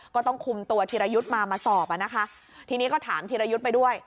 ก็ต้องคุมตัวธีรยุทธ์มามาสอบอ่ะนะคะทีนี้ก็ถามธีรยุทธ์ไปด้วย